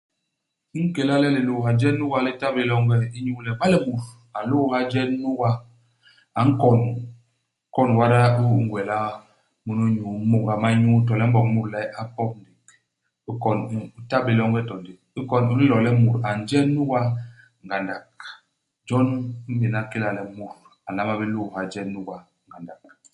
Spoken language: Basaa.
I nkéla le lilôôha je nuga li ta bé longe, inyu le iba le mut a nlôôha je nuga, a nkon kon wada u u ngwela munu i nyuu, mônga ma nyuu. To le i m'boñ mut le a pop. Ikon u, u ta bé longe to ndék. Ikon u, u nlo le mut a nje nuga ngandak. Jon i m'béna kéla le mut a nlama bé lôôha je nuga ngandak.